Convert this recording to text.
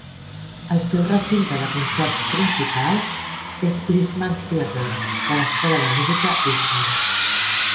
El seu recinte de concerts principal és l'Eastman Theatre de l'Escola de Música Eastman.